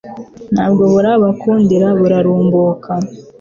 na bwo burabakundira burarumbuka